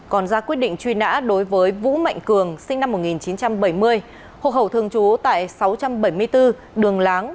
còn ra quyết định truy nã đối với vũ mạnh cường sinh năm một nghìn chín trăm bảy mươi hộ khẩu thường trú tại sáu trăm bảy mươi bốn đường láng